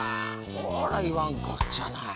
ほらいわんこっちゃない。